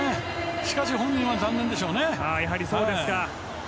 しかし本人は残念でしょうね。